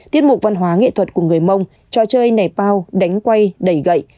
tiết mục văn hóa nghệ thuật của người mông trò chơi nẻ pao đánh quay đẩy gậy